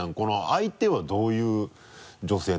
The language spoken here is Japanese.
相手はどういう女性なのよ？